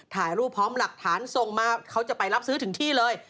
ถ่ายรูปพร้อมหลักฐานส่งมาเขาจะไปรับซื้อถึงที่เลย